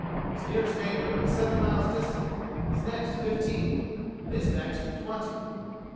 His nearest neighbor was seven miles distant, his next fifteen, his next twenty.